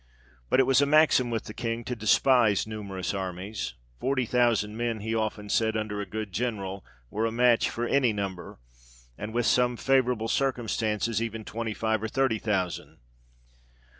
But it was a maxim with the King to despise numerous armies : forty thousand men, he often said, under a good General, were a match for any number ; and with some favour able circumstances even twenty five or thirty thousand.